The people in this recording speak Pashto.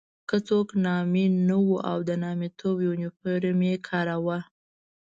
که څوک نامي نه وو او د نامیتوب یونیفورم یې کاراوه.